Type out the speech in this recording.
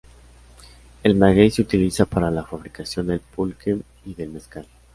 El maguey se utiliza para la fabricación del pulque y del mezcal.